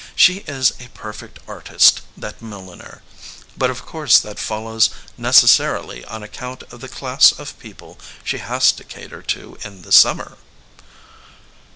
She is a perfect artist, that milliner; but of course that follows nec essarily on account of the class of people she has to cater to in the summer."